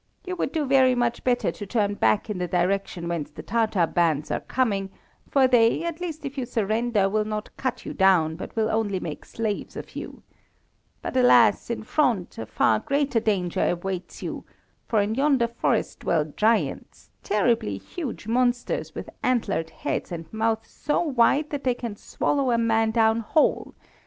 You would do very much better to turn back in the direction whence the Tatar bands are coming, for they, at least if you surrender, will not cut you down, but will only make slaves of you. But, alas! in front a far greater danger awaits you, for in yonder forest dwell giants, terribly huge monsters with antlered heads and mouths so wide that they can swallow a man down whole.